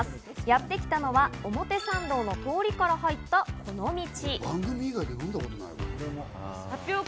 やってきたのは表参道の通りから入ったこの道。